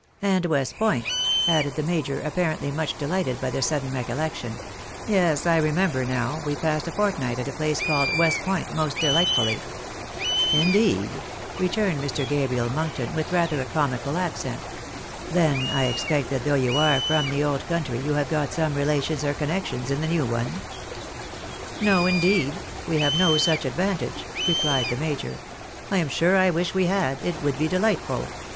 And West Point," added the major, apparently much delighted by the sudden recollection ;" yes, I remember, now, we passed a fortnight at a place called West Point most delightfully." "Indeed?" returned Mr. Gabriel Monkton, with rather a comical accent. " Then I expect that though you are from the old country you have got some relations or connections in the new one ?" "No, indeed! We have no such advantage," replied the major, " I am sure I wish we had ; it would be dehghtful.